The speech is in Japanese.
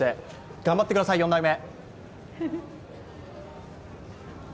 頑張ってください、４代目。